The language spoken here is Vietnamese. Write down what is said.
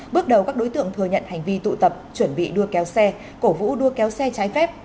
bước đầu các đối tượng thừa nhận hành vi tụ tập chuẩn bị đua kéo xe cổ vũ đua kéo xe trái phép